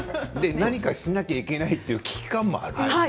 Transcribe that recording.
何かしなければいけないという危機感もある。